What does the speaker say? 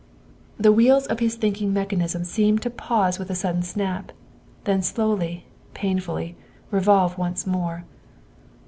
The wheels of his thinking mechanism seemed to pause THE SECRETARY OF STATE 251 with a sudden snap, then slowly, painfully, revolve once more.